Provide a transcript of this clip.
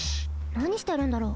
なにしてるんだろう？